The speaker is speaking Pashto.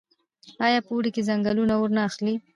آیا په اوړي کې ځنګلونه اور نه اخلي؟